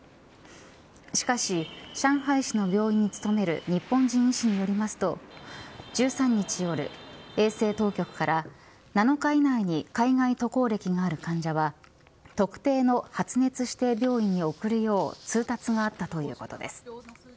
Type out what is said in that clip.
しかし、上海市の病院に勤める日本人医師によりますと１３日夜、衛生当局から７日以内に海外渡航歴がある患者は特定の発熱指定病院に送るよう通達があったということです。